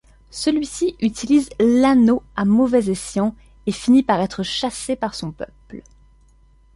Celui-ci utilise l’Anneau à mauvais escient et finit par être chassé par son peuple.